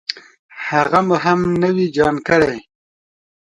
هغه مو هم نوي جان کړې.